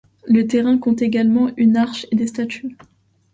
Le terrain compte également une arche et des statues.